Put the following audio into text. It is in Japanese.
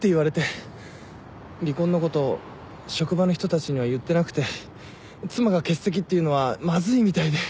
離婚のこと職場の人たちには言ってなくて妻が欠席っていうのはまずいみたいで。